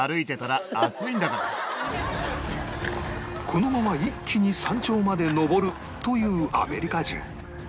このまま一気に山頂まで登るというアメリカ人